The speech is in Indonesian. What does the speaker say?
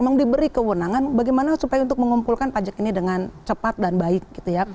memang diberi kewenangan bagaimana supaya untuk mengumpulkan pajak ini dengan cepat dan baik gitu ya